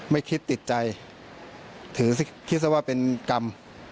ไม่คิดติดใจถือคิดซะว่าเป็นกรรม